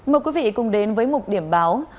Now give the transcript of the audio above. mời quý vị cùng đến với một điểm báo